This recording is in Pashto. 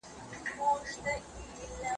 عقل مینه